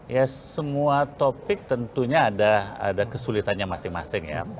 ya semua topik tentunya ada kesulitannya masing masing ya